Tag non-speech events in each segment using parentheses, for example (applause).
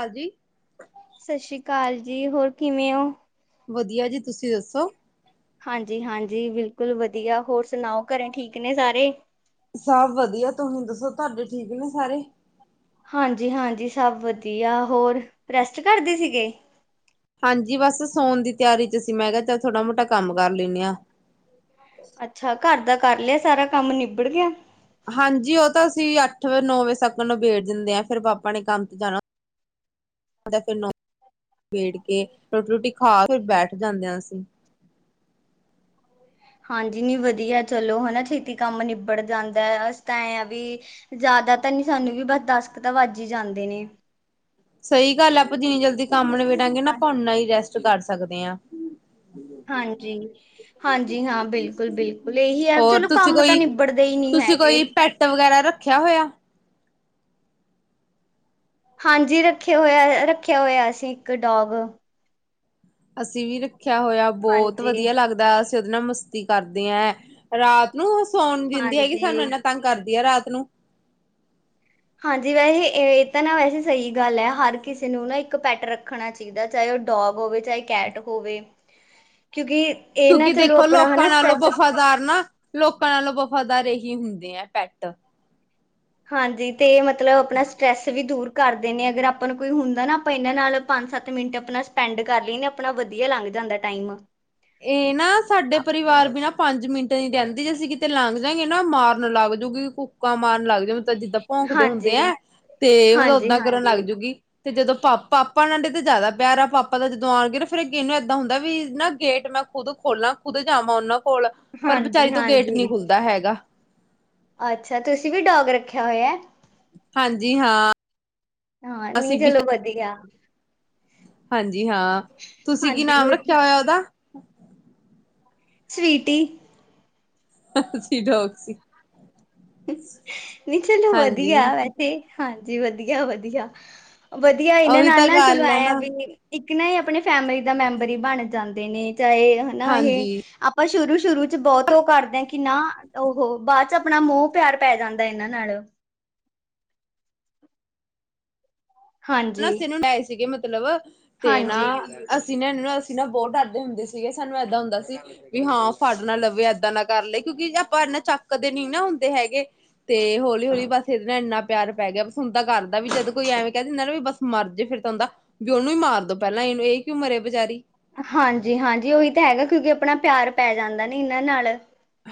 ਹਾਂਜੀ ਸਤਿ ਸ੍ਰੀ ਅਕਾਲ ਜੀ ਜੀ ਹੋਰ ਕਿਵੇਂ ਹੋ ਵਧੀਆ ਜੀ ਤੁਸੀਂ ਦੱਸੋ ਹਾਂਜੀ ਹਾਂਜੀ ਬਿਲਕੁਲ ਵਧੀਆ ਹੋਰ ਸੁਣਾਓ ਘਰੇ ਠੀਕ ਨੇ ਸਾਰੇ। ਸਭ ਵਧੀਆ ਤੁਸੀਂ ਦੱਸੋ ਤੁਹਾਡੇ ਠੀਕ ਨੇ ਸਾਰੇ ਹਾਂਜੀ ਹਾਂਜੀ ਸਭ ਵਧੀਆ ਹੋਰ ਰੈਸਟ ਕਰਦੇ ਸੀਗੇ ਹਾਂਜੀ ਬਸ ਸੋਣ ਦੀ ਤਿਆਰੀ ਚ ਅਸੀਂ ਮੈਂ ਕਿਹਾ ਚ ਛੌਟਾ ਮੋਟਾ ਕੰਮ ਕਰ ਲੈਂਦੇ ਹਾਂ ਅੱਛਾ ਘਰ ਦਾ ਕਰ ਲਿਆ ਸਾਰਾ ਕੰਮ ਨਿਬੜ ਗਿਆ ਹਾਂਜੀ ਉਹ ਤਾਂ ਅਸੀਂ ਅੱਠ ਨੌ ਵਜੇ ਤਕ ਨਿਬੇੜ ਦਿਨਦੇ ਆ ਫਿਰ ਪਾਪਾ ਨੇ ਕੰਮ ਤੇ ਜਾਣਾ ਫਿਰ ਨੋ ਵਜੇ ਨਿਬੇੜ ਕੇ ਰੋਟੀ ਰੋਟੀ ਖਾ ਫਿਰ ਬੈਠ ਜਾਂਦੇ ਹਾਂ ਅਸੀਂ। ਹਾਂਜੀ ਨੀ ਵਧੀਆ ਚਲੋ ਹਨਾ ਛੇਤੀ ਕੰਮ ਨਿਬੜ ਜਾਂਦਾ ਇਸ ਤ ਆ ਵੀ ਜ਼ਿਆਦਾ ਤਾਂ ਨੀ ਸਾਨੂੰ ਵੀ ਬਸ ਦਸ ਕੁ ਤਾਂ ਵੱਜੀ ਹੀ ਜਾਂਦੇ ਨੇ ਸਹੀ ਗੱਲ ਆਪਾਂ ਜਿੰਨੀ ਜਲਦੀ ਕੰਮ ਨਿਬੇੜਾ ਗੇ ਨਾ ਹਾਂ- ਅਪਾ ਉਨ੍ਹਾਂ ਹੀ ਰੈਸਟ ਕਰੱ ਸਕਦੇ ਹਾਂ ਹਾਂਜੀ ਹਾਂਜੀ ਹਾਂ ਬਿਲਕੁਲ ਬਿਲਕੁਲ ਇਹੀ ਹੈ ਹੋਰ ਚਲੋ ਤੁਸੀਂ ਕੰਮ ਤਾਂ ਕੋਈ ਨਿਬੜਦੇ ਹੀ ਨਹੀਂੀ ਹੈਗੇ ਰਖਿਆ ਹੋਇਆ ਹਾਂਜੀ ਰੱਖਿਆ ਹੋਇਆ। ਰੱਖਿਆ ਹੋਇਆ ਅਸੀਂ ਇੱਕ ਡੋਗ ਅਸੀਂ ਵੀ ਰੱਖ ਰਖਿਆ ਹੋਇਆ ਬਹੁਤ ਹਾਂਜੀ, ਵਧੀਆ ਲੱਗਦਾ ਐਨਾ ਮਸਤੀ ਕਰਦੇ ਹੈ। ਰਾਤ ਨੂੰ ਸੌਣ ਦਿੰਦੀ ਹੈਗੀ ਸਾਨੂੰ ਹਾਂਜੀ। ਇੰਨਾ ਤੰਗ ਕਰਦੀ ਹੈ ਰਾਤ ਕਿਨੂੰ (unintelligible) ਹਾਂਜੀ, ਵੈਸੇ ਇਹ ਤਾਂ ਨਾ ਵੈਸੇ ਸਹੀ ਗੱਲ ਹੈ ਹਰ ਕਿਸੇ ਨੂੰ ਨਾ ਇੱਕ ਪੈਟ ਰੱਖਣਾ ਚਾਹੀਦੇ ਚਾਹੇ ਉਹ ਡੋਗ ਹੋਵੇ ਚਾਹੇ ਕੈਟ ਹੋਵੇ ਕਿਉਂਕਿ ਇਹ ਨਾ ਕਿਉਂਕਿ ਚਲੋ ਦੇਖੋ ਆਪਣਾ ਲੋਕਾਂ ਹਨਾ ਨਾਲੋਂ ਸਟਰੈਸ ਵਫ਼ਾਦਾਰ ਨਾ ਲੋਕਾਂ ਨਾਲੋਂ ਵਫ਼- ਵਫਦਾਰ ਏਹੀ ਹੁੰਦੇ ਏ ਪੈਟ। ਹਾਂਜੀ, ਤੇ ਮਤ ਮਤਲਬ ਆਪਣਾ ਸਟਰੈੱਸ ਵੀ ਦੂਰ ਕਰਦੇ ਨੇ ਅਗਰ ਆਪਾਂ ਨੂੰ ਕੋਈ ਹੁੰਦਾ ਨਾ ਆਪਾਂ ਇਹਨਾਂ ਨਾਲ ਪੰਜ-ਸੱਤ ਮਿੰਟ ਆਪਣਾ ਸਪੈਂਡ ਕਰ ਲਈਏ ਨਾ, ਆਪਣਾ ਵਧੀਆ ਲੰਗ ਜਾਂਦਾ ਟਾਈਮ। ਇਹ ਨਾ ਸਾਡੇ ਪਰਿਵਾਰ ਬਿਨਾ ਪੰਜ ਮਿੰਟ ਕਹਿੰਦੀ ਜੇ ਅਸੀਂ ਕਿਤੇ ਲੰਘ ਜਾਈਏ ਨਾ ਮਾਰਨ ਲਗ ਜੁਗੀ, ਕੁੱਕਾਂ ਮਾਰਨ ਲੱਗ ਜਂਦ- ਜਿਦਾ ਭੋਂਕਦੇ ਹੁੰਦੇ ਹਾਂਜੀ, ਏ, ਤੇ ਮਤਲਬ ਹਾਂਜੀ, ਓਦਾਂ ਕਰਨ ਹਾਂਜੀ, ਲੱਗ ਜੂਗੀ। ਤੇ ਜਦੋਂ ਪਾ-ਪਾਪਾ ਨਾਲ ਤੇ ਜ਼ਿਆਦਾ ਪਿਆਰ ਆ, ਪਾਪਾ ਦਾ ਜਦੋਂ ਆਉਣਗੇ ਨਾ ਫੇਰ ਅਗੇਨੂੰ ਏਦਾਂ ਹੁੰਦਾ ਵੀ ਨਾ- ਗੇਟ ਮੈਂ ਖੁਦ ਖੋਲਾਂ, ਖੁਦ ਜਾਵਾਂ ਉਹਨਾਂ ਕੋਲ, ਪਰ ਬੇਚਾਰੀ ਹਾਂਜੀ, ਤੋਂ ਗੇਟ ਨੀ ਹਾਂਜੀ। ਖੁੱਲਦਾ ਹੈਗਾ। ਅੱਛਾ, ਤੁਸੀਂ ਵੀ ਡੋਗ ਰੱਖਿਆ ਹੋਇਐ। ਹਾਂਜੀ-ਹਾਂ ਹਾਂ, ਨੀ ਚਲੋ ਵਧੀਆ। ਹਾਂਨ ਜੀ ਹਾਂ, ਤੁਸੀਂ ਕੀ ਹਾਂਜੀ ਨਾਮ ਵਧੀਆ ਰੱਖਿਆ ਹੋਇਆ ਉਹਦਾ? ਅ (unintelligible) ਸਵੀਟੀ ਅਸੀ ਜੋਕ ਸੀ (unintelligible) ਨਹੀਂ ਚਲੋ ਹਾਂਜੀ ਵਧੀਆ ਵੈਸੇ, ਹਾਂ। ਜੀ ਵਧੀਆ-ਵਧੀਆ। ਵਧੀਆ ਇਹਨਾਂ ਉਹੀ ਨਾਲ ਤਾਂ ਨਾ ਚਲੋ ਗੱਲ ਹੈ ਆਇਆ ਨਾ ਵੀ। ਕਿੰਨਾ ਇਹ ਆਪਣੇ ਫੈਮਿਲੀ ਦਾ ਮੈਂਬਰ ਹੀ ਬਣ- ਜਾਂਦੇ ਨੇ ਚਾਹੇ, ਹੈਨਾ ਇਹ, ਹਾਂਜੀ ਆਪਾਂ ਸ਼ੁਰੂ-ਸ਼ੁਰੂ ਚ ਬਹੁਤ ਉਹ ਕਰਦੇ- ਕਿੰਨਾ, ਔਹੋ ਬਾਅਦ ਚ ਆਪਣਾ ਮੋਹ- ਪਿਆਰ ਪੈ ਜਾਂਦਾ ਇਹਨਾਂ ਨਾਲੋਂ। ਹਾਂਜੀ ਨੱਸੇ ਨੂੰ ਡਏ ਸੀਗੇ ਮਤਲਬ (unintelligible) ਕਿਲਵ (inaudible) ਤੇ ਨਾ ਹਾਂਜੀ ਅਸ- ਸੀ ਨਾ, ਇਹ ਨਾ, ਅਸੀਂ ਨਾ ਬਹੁਤ ਡਰਦੇ ਹੁੰਦੇ ਸੀਗੇ ਸਾਨੂੰ ਏਦਾਂ ਹੁੰਦਾ ਸੀ ਵੀ ਹਾਂ, ਫੜ ਨਾ ਲਵੇ, ਏਦਾਂ ਨਾ ਕਰ ਲਏ ਕਿਉਂਕਿ ਆਪਾਂ ਇਨਾ ਚੱਕਦੇ ਨੀ ਨਾ ਹੁੰਦੇ ਹੈਗੇ, ਤੇ ਹੌਲੀ ਹੌਲੀ ਬਸ ਇਹਦੇ ਨਾਲ ਇੰਨਾ ਪਿਆਰ ਪੈ ਗਿਆ ਬਸ ਹੁਣ ਤਾਂ ਕਰਦਾ ਵੀ ਜਦ ਕੋਈ ਐਵੇਂ ਕਹ- ਨ-ਨਾ ਵੀ ਬਸ ਮਰ ਜੇ ਫਿਰ ਤਾਂ ਉਹਦਾ, ਵੀ ਉਹਨੂੰ ਹੀ ਮਾਰ ਦੋ ਪਹਿਲਾਂ ਇਹਨੂੰ, ਇਹੀ ਕਿਉ ਮਰੇ ਬੇਚਾਰੀ। ਹਾਂਜੀ-ਹਾਂਜੀ, ਉਹੀ ਤਾਂ ਹੈਗਾ ਕਿਉਂਕਿ ਆਪਣਾ ਪਿਆਰ ਪੈ ਜਾਂਦੇ, ਨੀ ਇਹਨਾਂ ਨਾਲ।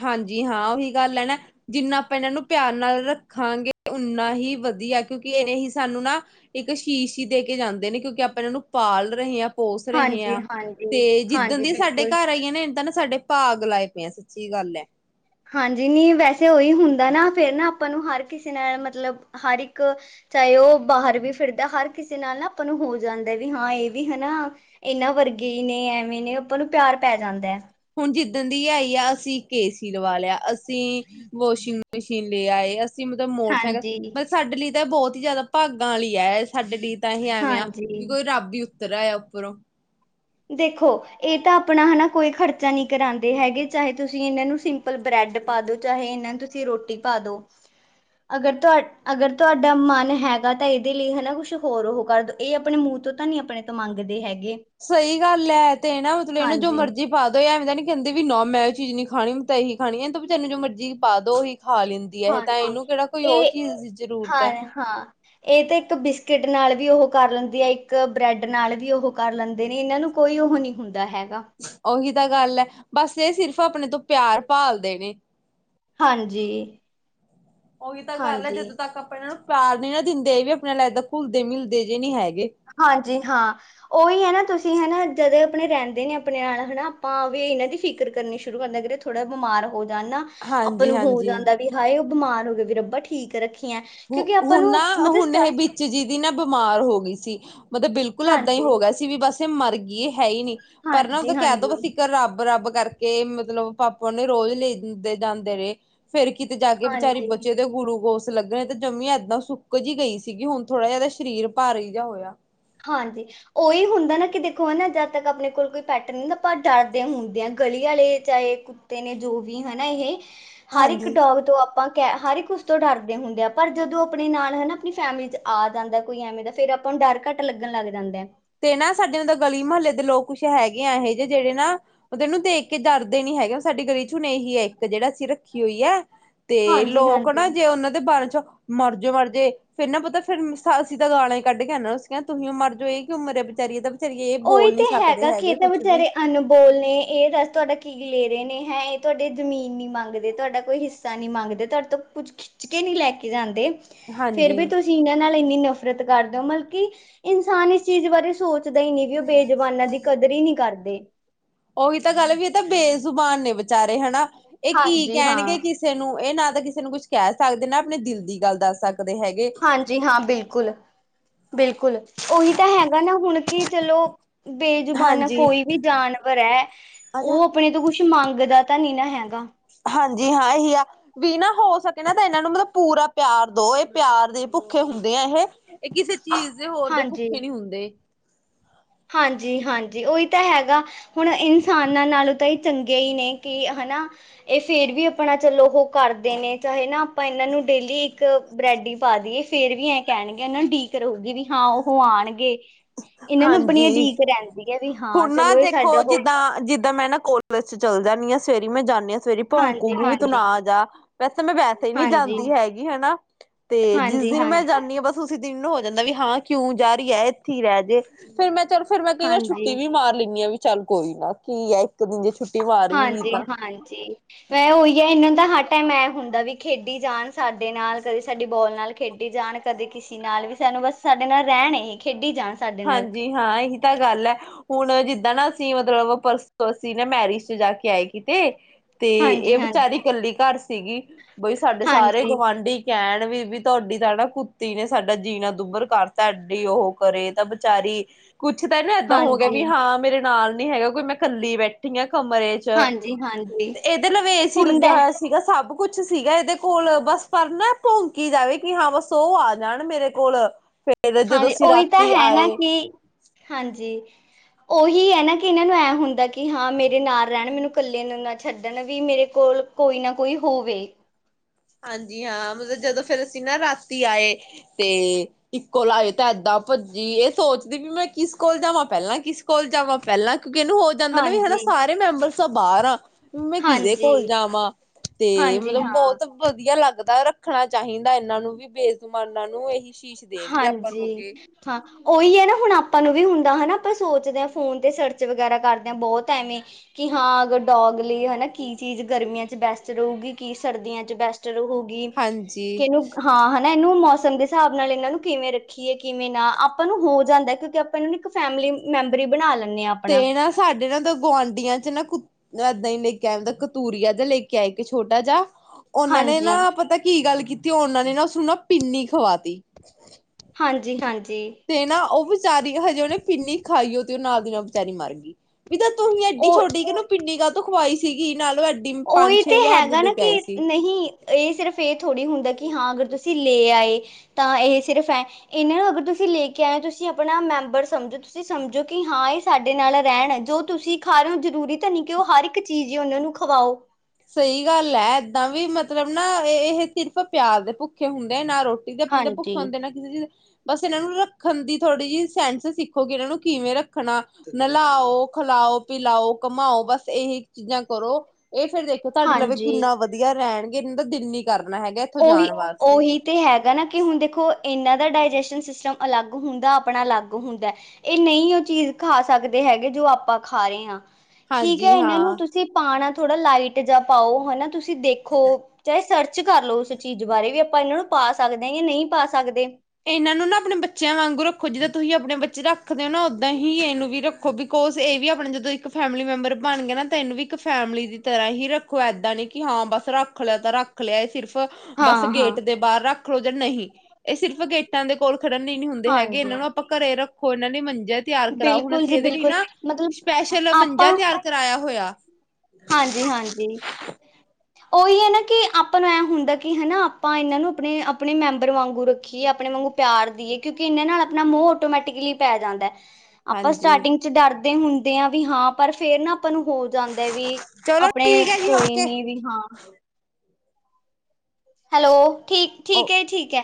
ਹਾਂਜੀ ਹਾਂ ਔਹੀ ਗੱਲ ਹੈ ਨਾ ਜਿੰਨਾ ਆਪਾਂ ਇਹਨਾਂ ਨੂੰ ਪਿਆਰ ਨਾਲ ਰੱਖਾਂਗੇ ਉਨਾ ਹੀ ਵਧੀਐ, ਕਿਉਂਕਿ ਇਹ ਹੀ ਸਾਨੂੰ ਨਾ ਇੱਕ ਅਸ਼ੀਸ਼ ਹੀ ਦੇ ਕੇ ਜਾਂਦੇ ਨੇ, ਕਿਉਂਕਿ ਆਪਾਂ ਇਹਨਾਂ ਨੂੰ ਪਾਲ ਰਹੇ ਹਾਂ ਪੋਸ ਰਹੇ ਹਾਂਜੀ ਹਾਂ ਹਾਂਜੀ ਤੇ ਜਿੱਦਣ ਹਾਂਜੀ ਦੀ ਸਾਡੇ ਬਿਲਕੁਲ ਘਰ ਆਈਆਂ ਨੇ ਇਹ ਤ ਨ ਸਾਡੇ ਭਾਗ ਲਾਏ ਪਏ ਐ ਸਚੀ ਗੱਲ ਹੈ ਹਾਂਜੀ ਨਹੀਂ ਵੈਸੇ ਉਹੀ ਹੁੰਦਾ ਨਾ, ਫੇਰ ਨਾ ਆਪਾਂ ਨੂੰ ਹਰ ਕਿਸੇ ਨਾਲ ਮਤਲਬ ਹਰ ਇੱਕ ਚਾਹੇ ਉਹ ਬਾਹਰ ਵੀ ਫਿਰਦਾ ਹਰ ਕਿਸੇ ਨਾਲ ਨਾ ਆਪਾਂ ਨੂੰ ਹੋ ਜਾਂਦਾ ਵੀ ਹਾਂ ਇਹ ਵੀ ਹੈ ਨਾ ਇਹਨਾਂ ਵਰਗੇ ਹੀ ਨੇ ਐਵੇਂ ਨੇ ਆਪਾਂ ਨੂੰ ਪਿਆਰ ਪੈ ਜਾਂਦਾ ਐ। ਹੁਣ ਜਿੱਦਣ ਦੀ ਆਈ ਆ ਅਸੀਂ ਇਕ ਏ ਸੀ ਲਵਾ ਲਿਆ, ਅਸੀਂ ਵਾਸ਼ਿੰਗ ਮਸ਼ੀਨ ਲੈ ਆਏ। ਮਤਲਬ ਮੋਟਰਸਾਈਕਲ, ਹਾਂਜੀ ਪਰ ਸਾਡੇ ਲਈ ਤਾਂ ਬਹੁਤ ਜਿਆਦਾ ਭਾਗਾਂ ਵਾਲੀ ਹੈ, ਐ ਸਾਡੇ ਲਈ। ਤਾਂ ਹੀ ਐਵੇਂ ਆ, ਹਾਂਜੀ ਵੀ ਕੋਈ ਰੱਬ ਹੀ ਉੱਤਰ ਆਇਆ ਉੱਪਰੋਂ ਦੇਖੋ ਇਹ ਤਾਂ ਆਪਣਾ ਹੈਨਾ ਕੋਈ ਖਰਚਾ ਨਹੀਂ ਕਰਾਉਂਦੇ ਹੈਗੇ, ਚਾਹੇ ਤੁਸੀਂ ਇਹਨਾਂ ਨੂੰ ਸਿੰਮਪਲ ਬਰੈੱਡ ਪਾ ਦੋ ਚਾਹੇ ਇਹਨਾਂ ਨੂੰ ਤੁਸੀਂ ਰੋਟੀ ਪਾ ਦੋ, ਅਗਰ ਤੁਹਾਡ ਅਗਰ ਤੁਹਾਡਾ ਮਨ ਹੈਗਾ ਤਾਂ ਇਹਦੇ ਲਈ ਹੈਨਾ ਕੁਛ ਹੋਰ ਉਹ ਕਰ ਦੋ, ਇਹ ਆਪਣੇ ਮੂੰਹ ਤੋਂ ਤਾਂ ਨੀ ਆਪਣੇ ਤੋਂ ਮੰਗਦੇ ਹੈਗੇ। ਸਹੀ ਗੱਲ ਹੈ ਤੇ ਨਾ, ਮਤਲਬ ਇਹਨੂੰ ਜੋ ਹਾਂਜੀ ਮਰਜ਼ੀ ਪਾ ਦੋ। ਐਵੇਂ ਨ ਕਹਿੰਦੇ ਵੀ ਨਾ ਮੈਂ ਇਹ ਚੀਜ਼ ਨੀ ਖਾਣੀ ਮੈਂ ਤਾਂ ਤਾਂ ਇਹੀ ਖਾਣੀ ਐ, ਇਹ ਤਾਂ ਵਿਚਾਰੇ ਨੂੰ ਜੋ ਮਰਜ਼ੀ ਪਾ ਦੋ, ਓਹੀ ਖਾ ਲੈਂਦੀ ਹੈ ਇਹ ਤਾਂ ਹਾਂਜੀ ਇਹਨੂੰ ਕਿਹੜਾ ਕੋਈ ਉਹ ਇਹ ਚੀਜ਼ ਦੀ ਜ਼ਰੂਰਤ ਹੈ ਹਾਂ ਹਾਂ ਇਹ ਤੇ ਇੱਕ ਬਿਸਕਿਟ ਨਾਲ ਵੀ ਉਹ ਕਰ ਲੈਂਦੀ ਆ, ਇੱਕ ਬ੍ਰੈਡ ਨਾਲ ਵੀ ਉਹ ਕਰ ਲੈਂਦੇ ਨੇ, ਇਹਨਾਂ ਨੂੰ ਕੋਈ ਉਹ ਨਹੀਂ ਹੁੰਦਾ ਹੈ। ਔ ਹੀ ਤਾ ਗੱਲ ਹੈ, ਬਸ ਇਹ ਸਿਰਫ਼ ਆਪਣੇ ਤੋਂ ਪਿਆਰ ਭਾਲਦੇ ਨੇ। ਹਾਂਜੀ ਉਹੀ ਤਾਂ ਗੱਲ ਹੈ ਹਾਂਜੀ ਜਦੋਂ ਤੱਕ ਆਪਾਂ ਇਹਨਾਂ ਨੂੰ ਪਿਆਰ ਨੀ ਨਾ ਦਿੰਦੇ, ਇਹ ਵੀ ਆਪਣੇ ਨਾਲ ਘੁੱਲਦੇ ਮਿਲਦੇ ਜੇ ਨਹੀਂ ਹੈਗੇ। ਹਾਂਜੀ ਹਾਂ, ਔਹੀ ਹੈ ਨਾ ਤੁਸੀਂ ਹੈਨਾ ਜਦੋਂ ਆਪਣੇ ਰਹਿੰਦੇ ਨੇ ਆਪਣੇ ਨਾਲ ਹੈਨਾ, ਆਪਾਂ ਵੀ ਇਹਨਾਂ ਦੀ ਫਿਕਰ ਕਰਨੀ ਸ਼ੁਰੂ ਕਰਦੇ ਥੋੜ੍ਹਾ ਬਿਮਾਰ ਹੋ। ਜਾਂ ਨਾ ਆਪਾਂ ਹਾਂਜੀ ਨੂੰ ਹੋ ਹਾਂਜੀ ਜਾਂਦਾ ਵੀ ਹਾਏ ਔ ਬਿਮਾਰ ਹੋਗੇ ਫਿਰ ਆਪਾ ਠੀਕ ਰੱਖੀ ਐ ਹੁ ਕਿਉਂਕਿ ਆਪਾਂ ਹੁਣ ਨੂੰ ਨਾ ਮਤਲਬ ਹੁਣ ਸਟਾ ਇਹ ਵਿੱਚ ਜੀ ਦੀ ਨਾ ਬਿਮਾਰ ਹੋ ਗਈ ਸੀ ਮਤਲਬ ਬਿਲਕੁਲ ਏਦਾਂ ਹੀ ਹਾਂਜੀ ਹੋ ਗਿਆ ਸੀ ਵੀ ਬਸ ਇਹ ਮਰ ਗੀ ਗੀ ਏ ਹੈ ਹੀ ਨੀ ਪਰ ਨਾ ਹਾਂਜੀ ਉਹਦਾ ਕਹਿ ਦੋ ਹਾਂਜੀ ਬਸ ਇੱਕ ਰੱਬ ਰੱਬ ਕਰਕੇ ਮਤਲਬ ਪਾਪਾ ਨੇ ਰੋਜ਼ ਲੈਂਦੇ ਜਾਂਦੇ ਰਹੇ ਫੇਰ ਕਿਤੇ ਜਾ ਕੇ ਵਿਚਾਰੀ ਹਾਂਜੀ ਬੱਚੇ ਦੇ ਗੁਲੂਕੋਜ਼ ਲੱਗਾ ਤੇ ਜੰਮੀ ਏਦਾਂ ਸੁੱਕ ਜੀ ਗਈ ਸੀਗੀ ਹੁਣ ਥੋੜ੍ਹਾ ਜਿਹਾ ਇਹਦਾ ਸਰੀਰ ਭਾਰੀ ਜਿਹਾ ਹੋਇਆ ਹਾਂਜੀ ਉਹੀ ਹੁੰਦਾ ਨਾ ਕਿ ਦੇਖੋ ਹੈ ਨਾ ਜਦ ਤੱਕ ਆਪਣੇ ਕੋਲ ਕੋਈ ਪੈਟ ਨਹੀਂ ਹੁੰਦਾ ਪਰ ਡਰਦੇ ਹੁੰਦੇ ਆ ਗਲੀ ਵਾਲੇ ਚਾਹੇ ਕੁੱਤੇ ਨੇ ਜੋ ਵੀ ਹਨਾ ਇਹ ਹਰ ਇੱਕ ਹਾਂਜੀ। ਡੋਗ ਤੋਂ ਆਪ ਆਪਾਂ ਕਹਿ ਹਰ ਇੱਕ ਉਸ ਤੋਂ ਡਰਦੇ ਹੁੰਦੇ ਆਾਂ ਪਰ ਜਦੋਂ ਆਪਣੇ ਨਾਲ ਹਨਾ ਆਪਣੀ ਫੈਮਿਲੀ ਚ ਆ ਜਾਂਦਾ ਕੋਈ ਐਵੇਂ ਦਾ ਫਿਰ ਆਪਾਂ ਨੂੰ ਡਰ ਘੱਟ ਲੱਗ ਲੱਗ ਜਾਂ ਤੇ ਨਾ ਸਾਡੇ ਮ ਗਲੀ ਮਹੱਲੇ ਦੇ ਲੋਕ ਕੁੱਛ ਹੈਗੇ ਆ ਇਹ ਜੇ ਜਿਹੜੇ ਨਾ ਉਹਦੇ ਇਹਨੂੰ ਦੇਖ ਕੇ ਡਰਦੇ ਨੀ ਹੈਗੇ ਸਾਡੀ ਗਲੀ ਚੋਂ ਨਹੀਂ ਹੀ ਇੱਕ ਜਿਹੜਾ ਅਸੀਂ ਰੱਖੀ ਹੋਈ ਹੈ ਤੇ ਹਾਂਜੀ ਲੋਕ ਹਾਂਜੀ ਨਾ ਜੇ ਉਹਨਾਂ ਦੇ ਬਾਰੇ ਚ ਮਰਜੇ ਮਰਜੇ ਫੇਿਰ ਨਾ ਪਤਾ ਫਿਰਰ ਸਸੀ ਤਾਂ ਗਾ ਲ ਕੱਢ ਕੇ ਨਾ ਸੀੀਆਂ ਤੁਸੀਂ ਮਰ ਜਾਓ ਇਹ ਕੀ ਉਮਰ ਹੈ ਵਿਚੇਾਰੀ ਦਾ ਤਾਂ ਵਿਚਾਰੀ ਇਹ ਉਹੀ ਬੋਲ ਤੇ ਨੀ ਸਕਦੇ ਹੈਗਾ ਕਿ ਹੈਗੇ ਤਾਂ ਕੁਛ ਵੀ ਵਿਚਚਾਰੇ ਅਨਬੋਲ ਨੇ ਇਹ ਦੱਸ ਤੁਹਾਡਾ ਕੀ ਲੈ ਰਹੇ ਨੇ ਹੈਂ ਇਹ ਤੁਹਾਡੇ ਜ਼ਮੀਨ ਨਹੀਂੀ ਮੰਗਦੇ ਤੁਹਾਡਾ ਕੋਈ ਹਿੱਸਾ ਨਹੀਂ ਮੰਗਦੇ ਤੁਹਾਡੇ ਤੋਂ ਕੁਛ ਖਿੱਚ ਕੇ ਨਹੀਂ ਲੈ ਕੇ ਜਾਂਦੇ ਫੇਰ ਹਾਂਜੀ ਵੀ ਤੁਸੀਂ ਇਹਨਾਂ ਨਾਲ ਇੰਨੀ ਨਫ਼ਰਤ ਕਰਦੇ ਹੋ ਮਤਲਬ ਕਿ ਇਨਸਾਨ ਇਸ ਚੀਜ਼ ਬਾਰੇ ਸੋਚਦੇ ਹੀ ਨ ਨਹੀਂ ਵੀ ਉਹ ਬੇਜਬਾਨਾਂ ਦੀ ਕਦਰ ਹੀ ਨਹੀਂੀ ਕਰਦੀ (inaudible) ਉਹੀ ਤਾਂ ਗੱਲ ਵੀ ਇਹ ਤਾਂ ਬੇਜ਼ੁਬਾਨ ਨੇ ਵਿਚਾਰੇ ਹਨਾ ਇਹ ਕੀ ਹਾਂਜੀ ਹਾਂ ਕਹਿਣਗੇ ਕਿਸੇ ਨੂੰ ਇਹ ਨਾ ਕਿਸੇ ਨੂੰ ਕੁਛ ਕਹਿ ਸਕਦੇ ਨਾ ਆਪਣੇ ਦਿਲ ਦੀ ਗੱਲ ਦੱਸ ਸਕਦੇ ਹੈਗੇ। ਹਾਂਜੀ ਹਾਂ ਬਿਲਕੁਲ ਬਿਲਕੁਲ ਉਹੀ ਤਾਂ ਹੈਗਾ ਨਾ ਹੁਣ ਕੀ ਚਲੋ ਬੇਜ਼ੁਬਾਨਾ ਹਾਂਜੀ ਕੋਈ ਵੀ ਜਾਨਵਰ ਹੈ ਆਜਾ ਉਹ ਆਪਣੇ ਤੋਂ ਕੁੱਛ ਮੰਗਦਾ ਪਤਾ ਨਹੀਂੀ ਨਾ ਹੈਗਾ ਹਾਂਜੀ ਹਾਂ ਇਹੀ ਆ ਵੀ ਨਾ ਹੋ ਸਕੇ ਨਾ ਤਾਂ ਇਹਨਾਂ ਨੂੰ ਮਤਲਬ ਪੂਰਾ ਪਿਆਰ ਦੋ ਇਹ ਪਿਆਰ ਦੇ ਭੁੱਖੇ ਹੁੰਦੇ ਆ ਇਹ ਇਹ ਕਿਸੇ ਚੀਜ਼ ਦੇ ਹੋਰ ਦੇ ਭੁੱਖੇ ਨੀ ਹੁੰਦੇ ਹਾਂਜੀ ਹਾਂਜੀ ਉਓਹੀ ਤਾਂ ਹੈਗਾ ਹੁਣ ਇਨਸਾਨਾਂ ਨਾਲੋਂ ਤਾਂ ਚੰਗੇ ਹੀ ਨੇ ਕਿ ਹਨਾ ਇਹ ਫੇਰ ਵੀ ਆਪਣਾ ਚਲੋ ਉਹ ਕਰਦੇ ਨੇ ਚਾਹੇ ਨਾ ਆਪਾਂ ਇਹਨਾਂ ਨੂੰ ਡੇਲੀ ਇੱਕ ਬ੍ਰੈਡ ਹੀ ਪਾ ਦੇਏ ਫੇਰ ਵੀ ਇਹ ਕਹਿਣਗੇ ਡੀਕ ਰਹੇਗੀ ਵੀ ਹਾਂ ਉਹ ਆਉਣਗੇ ਇਹਨਾਂ ਨੂੰ ਜੀ, ਹੈ ਵੀ ਹਾਂ ਹੁਣ ਨਾ ਚਲੋ ਇਹ ਸਾਡਾ ਦੇਖੋ ਉਹ ਜਿੱਦਾਂ ਜਿੱਦਾਂ ਮੈਂ ਨਾ ਕੋਲੇਜ ਚ ਚੱਲ ਜਾਂਣੀ ਹਾਂ ਸਵੇਰੀ ਮੈਂ ਜਾਂਨੀ ਹਾਂ। ਸਵੇਰੇ ਭੋਂਕੂਗੀ ਵੀ ਤੂੰ ਹਾਂਜੀ-ਹਾਂਜੀ, ਨਾ ਜਾ ਵੈਸੇ ਮੈਂ ਵੈਸੇ ਹੀ ਨੀ ਹਾਂਜੀ, ਜਾਂਦੀ ਹੈਗੀ ਹੈਨਾ, ਤੇ ਜਿਸ ਹਾਂਜੀ-ਹਾਂਜੀ, ਦਿਨ ਮੈਂ ਹਾਂਜੀ। ਹਾਂਜੀ ਜਾਂਦੀ ਹਾਂ ਬਸ ਓਸੀ ਦਿਨ ਨੂੰ ਹੋ ਜਾਂਦਾ ਵੀ ਹਾਂ ਕਿਉਂ ਜਾ ਰਹੀ ਏ। ਥੀ ਰਹਿ ਜੇ ਫੇਰ ਮੈਂ ਚਲ ਫੇਰ ਮੈਂ ਕਈ ਵਾਰ ਹਾਂਜੀ ਛੁੱਟੀ ਮਾਰ ਲੈਂਦੀ ਹਾਂ ਵੀ ਚੱਲ ਕੋਈ ਨਾ ਕੀ ਹੈ ਇੱਕ ਦਿਨ ਜ ਛੁ ਹਾਂਜੀ ਹਾਂਜੀ ਮੈਂ ਉਹੀ ਹੈ ਇਹਨਾਂ ਦਾ ਹੱਟ ਟਾਈਮ ਇਹ ਹੁੰਦਾ ਵੀ ਖੇਡੀ ਜਾਣ ਸਾਡੇ ਨਾਲ ਕਦੇ ਸਾਡੀ ਬੋਲ ਨਾਲ ਖੇਡੀ ਜਾਣ। ਕਦੇ ਕਿਸੇ ਨਾਲ ਵੀ ਸਾਨੂੰ ਬਸ ਸਾਡੇ ਨਾਲ ਰਹਿਣ ਹੀ ਖੇਡੀ ਜਾਣ ਸਾਡੇ ਨਾਲ ਹਾਂਜੀ ਹਾਂ ਇਹੀ ਤਾਂ ਗੱਲ ਆ। ਹੁਣ ਜਿੱਦਾਂ ਨਾ ਅਸੀਂ ਮਤਲਬ ਪਰਸੋ ਅਸੀਂ ਨਾ ਮੈਰਿਜ ਚ ਜਾ ਕੇ ਆਏ ਕਿਤੇ ਤੇ ਇਹ ਹਾਂਜੀ-ਹਾਂਜੀ, ਵਿਚਾਰੀ ਇਕੱਲੀ ਘਰ ਸੀਗੀ। ਬਈ ਸਾਡੇ ਸਾਰੇ ਗੁਆਂਢੀ ਕਹਿਣ ਵੀ ਵੀ ਤੁਹਾਡੀ ਤਾਂ ਨਾ ਕੁੱਤੀ ਨੇ ਸਾਡਾ ਜੀਣਾ ਦੁੱਬਰ ਕਰ ਦਿਤਾ ਏ ਏਡੀ ਉਹ ਕਰੇ ਤਾਂ ਵਿਚਾਰੀ ਕੁਛ ਤਾਂ ਨਾ ਇਦਾ ਹੋ ਗਿਆ ਵੀ ਹਾਂਜੀ-ਹਾਂਜੀ, ਹਾਂ ਮੇਰੇ ਨਾਲ ਨਹੀਂ ਹੈਗਾ ਕੋਈ ਮੈਂ ਕੱਲੀ ਬੈਠੀ ਹਾਂ। ਕਮਰੇ ਚ, ਹਾਂਜੀ-ਹਾਂਜੀ। ਤੇ ਇਹਦੇ ਨਾ ਏਸੀ ਹੁੰਦਾ ਲੱਗਿਆ ਹੈ। ਹੋਇਆ ਸੀਗਾ ਸਭ ਕੁ ਕੁਛ ਸੀਗਾ ਇਹਦੇ ਕੋਲ ਬਸ ਪਰ ਨਾ ਭੋਂਕੀ ਜਾਵੇ ਕਿ ਹਾਂ ਬਸ ਉਹ ਆ ਜਾਣ ਮੇਰੇ ਕੋਲ ਫ ਫੇਰ ਜਦੋਂ ਹਾਂਜੀ ਅਸੀਂ ਉਹੀ ਰਾਤ ਤਾਂ ਹੈ ਨਾ ਕਿ, ਹਾਂਜੀ ਉਹੀ ਹੈ ਨਾ ਕਿ ਇਹਨਾਂ ਨੂੰ ਐ ਹੁੰਦਾ ਕਿ ਹਾਂ ਮੇਰੇ ਨਾਲ ਰਹਿਣ ਮੈਨੂੰ ਕੱਲੇ ਨੂੰ ਨਾ ਛੱਡਣ ਵੀ ਮੇਰੇ ਕੋਲ ਕੋਈ ਨਾ ਕੋਈ ਹੋਵੇ। ਹਾਂਜੀ ਹਾਂ, ਮਤਲਬ ਜਦੋਂ ਫੇਰ ਅਸੀਂ ਨਾ ਰਾਤੀ ਆਏ ਤੇ ਇੱਕ ਕੋਲ ਆਏ ਤਾਂ ਏਦਾਂ ਭੱਜੀ ਇਹ ਸੋਚਦੀ ਵੀ ਮੈਂ ਕਿਸ ਕੋਲ ਜਾਵਾਂ ਪਹਿਲਾਂ ਕਿਸ ਕੋਲ ਜਾਵਾਂ ਪਹਿਲਾਂ ਉਕ ਇਹਨੂੰ ਹੋ ਜਾਂਦਾ ਵੀ ਹਨਾ ਹਾਂਜੀ-ਹਾਂਜੀ, ਸਾਰੇ ਮੈਂਬਰ ਤਾਂ ਬਾਰ ਆ ਮੈਂ ਕਿਹਦੇ ਹਾਂਜੀ ਕੋਲ ਜਾਵਾਂ, ਤੇ ਹਾਂਜੀ ਮਤਲਬ ਹਾਂ। ਬਹੁਤ ਵਧੀਆ ਲੱਗਦਾ ਰੱਖਣਾ ਚਾਹੀਦਾ ਇਹਨਾਂ ਨੂੰ ਵੀ ਬੇਜੂ ਹਾਂਜੀ ਅੱਗੇ ਹਾਂ, ਉਹੀ ਹੈ ਨਾ ਹੁਣ ਆਪਾਂ ਨੂੰ ਵੀ ਹੁਣ ਦਾ ਹਨਾ ਆਪਾਂ ਸੋਚਦੇ ਹਾਂ ਫੋਨ ਤੇ ਸਰਚ ਵਗੈਰਾ ਕਰਦੇ ਹਾਂ ਬਹੁਤ ਐਵੇਂ ਕਿ ਹਾਂ ਅਗਰ ਡੋਗ ਲਈ ਹਨਾ ਕੀ ਚੀਜ਼ ਗਰਮੀਆਂ ਚ ਬੈਸਟ ਰਹੁਗੀ ਕਿ ਸਰਦੀਆਂ ਚ ਬੈਸਟ ਰਹੂਗੀ ਕਿ ਹਾਂਜੀ ਇਹਨੂੰ ਹਾਂ ਹਨਾ ਇਹਨੂੰ ਮੌਸਮ ਦੇ ਹਿਸਾਬ ਨਾਲ ਇਹਨਾਂ ਨੂੰ ਕਿਵੇਂ ਰੱਖੀਏ ਕਿਵੇਂ ਨਾ, ਆਪਾਂ ਨੂੰ ਹੋ ਜਾਂਦਾ ਕਿਉਂਕਿ ਆਪਾਂ ਇਹਨਾਂ ਨੂੰ ਇੱਕ ਫੈਮਿਲੀ ਮੈਂਬਰੀ ਹੀ ਬਣਾ ਲਾ ਤੇ ਨਾ ਸਾਡੇ ਨਾ ਤਾਂ ਗੁਆਂਢੀਆਂ ਚ ਨਾ ਕੁ ਇੱਦਾਂ ਹੀ ਲੈ ਕੇ ਆਇਆਦਾ ਕਤੂਰੀਆ ਜ ਲੈ ਕੇ ਆਇਆ ਇੱਕ ਛੋਟਾ ਜਿਹਾ ਉਹਨਾਂ ਨੇ ਹਾਂਜੀ ਨਾ ਪਤਾ ਕੀ ਗੱਲ ਕੀਤੀ ਉਹਨਾਂ ਨੇ ਨਾ ਉਸਨੂੰ ਨਾ ਪਿੰਨੀ ਖਵਾ ਤੀ ਹਾਂਜੀ ਹਾਂਜੀ ਤੇ ਨਾ ਉਹ ਵਿਚਾਰੇ ਹਜੇ ਉਹਨੇ ਪਿੰਨੀ ਖਾਈ ਉਹ ਤੇ ਉਹ ਨਾਲ ਦੀ ਨਾਲ ਬੇਚਾਰੀ ਮਰ ਗਈ ਵੀ ਤਾਂ ਤੁਸੀਂ ਐਡੀ ਉਹ ਛੋਡੀ ਕਿ ਨਾ ਪਿੰਡੀ ਖੂਵਾਈ ਸੀਗੀ ਨਾਲ ਉਹ ਐਡੀ ਪੰਜ ਉਹੀ ਤੇ ਛੇ ਹਜ਼ਾਰ ਦੀ ਹੈਗਾ ਨਾ ਲੈ ਕੇ ਆਈ ਕਿ ਸੀ ਨਹੀਂ ਇਹ ਸਿਰਫ਼ ਇਹ ਥੋੜ੍ਹੀ ਹੁੰਦਾ ਕਿ ਹਾਂ ਅਗਰ ਤੁਸੀਂ ਲੈ ਆਏ ਤਾਂ ਇਹ ਸਿਰਫ ਹੈ ਇਹਨਾਂ ਨੂੰ ਅਗਰ ਤੁਸੀਂ ਲੈ ਕੇ ਆਏ ਹੋ ਤੁਸੀਂ ਆਪਣਾ ਮੈਂਬਰ ਸਮਝੋ ਤੁਸੀਂ ਸਮਝੋ ਕਿ ਹਾਂ ਇਹ ਸਾਡੇ ਨਾਲ ਰਹਿਣ ਹੈ ਜੋ ਤੁਸੀਂ ਖਾ ਰਹੇ ਹੋ ਜਰੂਰੀ ਤਾਂ ਨਹੀਂ ਕਿ ਉਹ ਹਰ ਇੱਕ ਚੀਜ਼ ਹੀ ਉਹਨਾਂ ਨੂੰ ਖਵਾਓ (inaudible) ੱਦਾਂ ਵੀ ਮਤਲਬ ਨਾ ਇਹ ਇਹ ਸਿਰਫ਼ ਪਿਆਰ ਦੇ ਭੁੱਖੇ ਹੁੰਦੇ ਨਾ ਰੋਟੀ ਰੋਟੀ ਤੇ ਆਪਣੀ ਤਾਂ ਭੁੱਖ ਹਾਂਜੀ ਹੁੰਦੇ ਨਾ ਕਿਸੇ ਬਸ ਇਹਨਾਂ ਨੂੰ ਰੱਖਣ ਦੀ ਥੋੜ੍ਹੀ ਜਿਹੀ ਸੈਂਸ ਸਿੱਖੋ ਕਿ ਇਹਨਾਂ ਨੂੰ ਕਿਵੇਂ ਰੱਖਣਾ ਨਲਾਓ ਖਿਲਾਓ ਪਿਲਾਓ ਘੁਮਾਓ ਬਸ ਇਹੀ ਚੀਜ਼ਾਂ ਕਰੋ ਇਹ ਫਿਰ ਕਿ ਤੁਹਾਡੇ ਲਾਵੇ ਹਾਂਜੀ ਕਿੰਨਾ ਵਧੀਆ ਰਹਿਣ ਕਹਿੰ ਦਾ ਦਿਨ ਹੀ ਕਰਦਾ ਉਹੀ ਉਹੀ ਤੇ ਹੈਗਾ ਨਾ ਕਿ ਹੁਣ ਦੇਖੋ ਇਹਨਾਂ ਦਾ ਡਾਇਜੈਸ਼ਨ ਸਿਸਟਮ ਅਲੱਗ ਹੁੰਦਾ ਆਪਣਾ ਅਲੱਗ ਹੁੰਦਾ ਇਹ ਨਹੀਂ ਉਹ ਚੀਜ਼ ਖਾ ਸਕਦੇ ਹੈਗੇ ਜੋ ਆਪਾਂ ਖਾ ਰਹੇ ਹਾਂ ਠੀਕ ਹੈ ਹਾਂਜੀ ਇਹਨਾਂ ਨੂੰ ਹਾਂ ਤੁਸੀਂ ਪਾਣਾ ਥੋੜਾ ਲਾਈਟ ਜਾਂ ਪਾਓ ਹਨਾ ਤੁਸੀਂ ਦੇਖੋ ਚਾਹੇ ਸਰਚ ਕਰ ਲਓ ਚੀਜ਼ ਬਾਰੇ ਵੀ ਆਪਾਂ ਇਹਨਾਂ ਨੂੰ ਪਾ ਸਕਦੇ ਹਾਂ ਜਾਂ ਨਹੀਂ ਪਾ ਸਕਦੇ ਇਹਨਾਂ ਨੂੰ ਨਾ ਆਪਣੇ ਬੱਚਿਆਂ ਵਾਂਗੂ ਰੱਖੋ ਜਿੱਦਾਂ ਤੁਸੀਂ ਆਪਣੇ ਬੱਚੇ ਰੱਖਦੇ ਹੋ ਨਾ ਓਦਾਂ ਹੀ ਇਹਨੂੰ ਵੀ ਰੱਖੋ ਬਿਕੋਜ ਇਹ ਵੀ ਆਪਣਾ ਜਦੋਂ ਇੱਕ ਫੈਮਿਲੀ ਮੈਂਬਰ ਬਣ ਗਿਆ ਨਾ ਤਾਂ ਇਹਨੂੰ ਵੀ ਇੱਕ ਫੈਮਿਲੀ ਦੀ ਤਰ੍ਹਾਂ ਹੀ ਰੱਖੋ ਇਏਦਾਂ ਨ ਕਿ ਹਾਂ ਬਸ ਰੱਖ ਲਿਆ ਤਾਂ ਰੱਖ ਲਿਆ ਇਹ ਸਿਰਫ ਬਸ ਹਾਂ ਹਾਂ ਗੇਟ ਦੇ ਬਾਹਰ ਰੱਖ ਖੋ ਜਾਂ ਨਹੀਂ ਇਹ ਸਿਰ ਵਗੇਟਾਂ ਦੇ ਕੋਲ ਖੜਨ ਹੀ ਨੀ ਹੁੰਦੇ ਹੈਗੇ ਇਹਨਾਂ ਹਾਂਜੀ ਨੂੰ ਆਪਾਂ ਘਰੇ ਰੱਖ ਉਹਨਾਂ ਨੇ ਮੰ ਤਿਆਰ ਕਰਾਓ ਹੁਣ ਬਿਲਕੁਲ ਅਸੀਂ ਜੀ ਇਹਦੇ ਲਈ ਬਿਲਕੁਲ ਨਾ ਮਤਲਬ ਸਪੈਸ਼ਲ ਮੰਜਾ ਆਪਾਂ ਤਿਆਰ ਕਰਾਇਆ ਹੋਇਆ ਹ ਹਾਂਜੀ ਹਾਂਜੀ ਉਹੀ ਹੈ ਨਾ ਕਿ ਆਪਾਂ ਨੂੰ ਐ ਹੁੰਦਾ ਕਿ ਹਨਾ ਆਪਾਂ ਇਹਨਾਂ ਨੂੰ ਆਪਣੇ ਆਪਣੇ ਮੈਂਬਰ ਵਾਂਗੂ ਰੱਖੀਏ ਆਪਣੇ ਵਾਂਗੂ ਪਿਆਰ ਦੇਈਏ ਕਿਉਂਕਿ ਇਹਨਾਂ ਨਾਲ ਆਪਣਾ ਮੋਹ ਆਟੋਮੈਟਿਕਲੀ ਪੈ ਜਾਂਦਾ ਆਪਾਂ ਹਾਂਜੀ ਸਟਾਰਟਿੰਗ ਚ ਡਰਦੇ ਹੁੰਦੇ ਆ ਵੀ ਹਾਂ ਪਰ ਫੇਰ ਨਾ ਆਪਾਂ ਨੂੰ ਹੋ ਜਾਂਦਾ ਵੀ ਚਲੋ ਆਪਣੇ ਠੀਕ ਹੈ ਜੀ ਕੋਈ ਓਕੇ ਨੀ ਵੀ ਹਾਂ ਹੈਲੋ ਠੀਕ ਓ ਠੀਕ ਹੈ ਜ ਠੀਕ ਹੈ